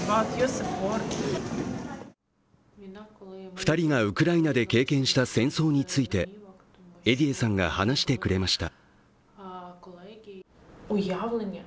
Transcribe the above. ２人がウクライナで経験した戦争についてエディエさんが話してくれました。